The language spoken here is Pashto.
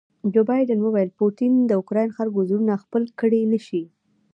جو بایډن وویل پوټین د اوکراین خلکو زړونه خپل کړي نه شي.